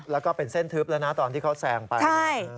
แล้วก็เป็นเส้นทึบแล้วนะตอนที่เขาแซงไป